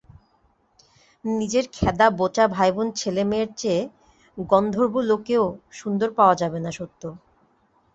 নিজের খ্যাঁদা বোঁচা ভাইবোন ছেলেমেয়ের চেয়ে গন্ধর্বলোকেও সুন্দর পাওয়া যাবে না সত্য।